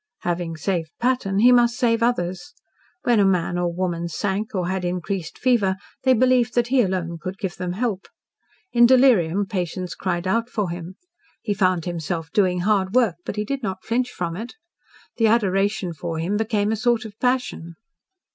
Having saved Patton, he must save others. When a man or woman sank, or had increased fever, they believed that he alone could give them help. In delirium patients cried out for him. He found himself doing hard work, but he did not flinch from it. The adoration for him became a sort of passion.